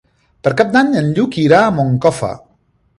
Per Cap d'Any en Lluc irà a Moncofa.